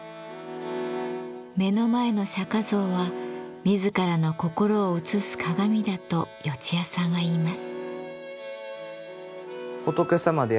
目の前の釈像は自らの心を映す鏡だと四津谷さんは言います。